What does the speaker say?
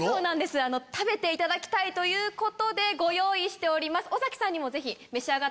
食べていただきたいということでご用意しております。